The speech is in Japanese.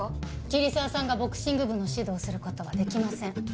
桐沢さんがボクシング部の指導をする事はできません。